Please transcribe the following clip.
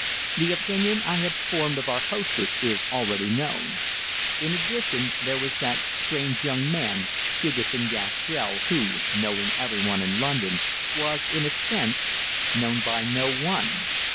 The opinion I had formed of our hostess is already known. In addition there was that strange young man, Hugesson Gastrell, who, knowing everyone in London, was, in a sense, known by no one.